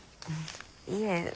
いえ。